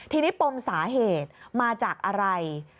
ทีนี้ปมสาเหตุมาจากอะไร